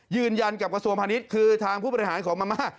ยืนยันกับกระทรวงพาณิชย์คือทางผู้บริหารของพม่า